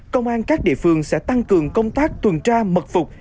công an các địa phương sẽ tăng cường công tác tuân trà mật phục